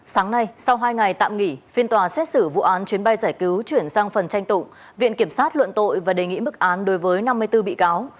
sáng nay sau hai ngày tạm nghỉ phiên tòa xét xử vụ án chuyến bay giải cứu chuyển sang phần tranh tụng viện kiểm sát luận tội và đề nghị mức án đối với năm mươi bốn bị cáo